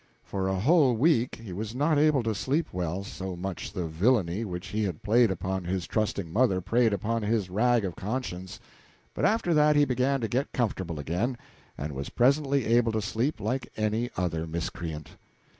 For a whole week he was not able to sleep well, so much the villainy which he had played upon his trusting mother preyed upon his rag of a conscience; but after that he began to get comfortable again, and was presently able to sleep like any other miscreant.